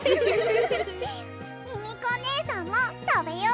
ミミコねえさんもたべよ。